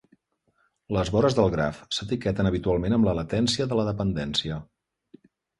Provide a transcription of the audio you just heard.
Les vores del Graf s'etiqueten habitualment amb la latència de la dependència.